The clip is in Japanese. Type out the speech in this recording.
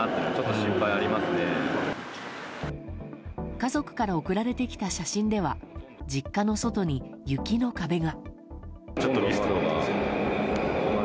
家族から送られてきた写真では実家の外に雪の壁が。